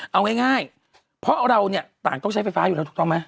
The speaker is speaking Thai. เอาง่ายเพราะเราเนี่ยต่างต้องใช้ไฟฟ้าอยู่แล้วถูกต้องไหม